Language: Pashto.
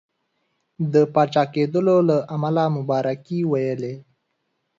د پاچا کېدلو له امله مبارکي ویلې.